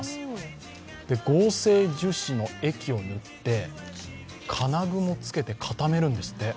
合成樹脂の液を塗って金具も付けて固めるんですって。